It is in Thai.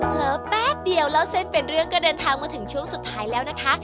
แป๊บเดียวเล่าเส้นเป็นเรื่องก็เดินทางมาถึงช่วงสุดท้ายแล้วนะคะ